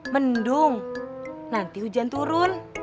mendung nanti hujan turun